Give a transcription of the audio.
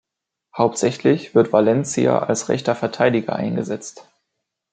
Hauptsächlich wird Valencia als rechter Verteidiger eingesetzt.